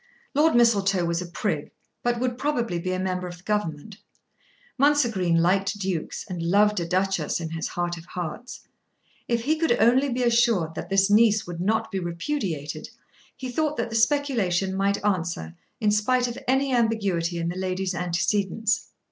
Lord Mistletoe was a prig, but would probably be a member of the Government. Mounser Green liked Dukes, and loved a Duchess in his heart of hearts. If he could only be assured that this niece would not be repudiated he thought that the speculation might answer in spite of any ambiguity in the lady's antecedents.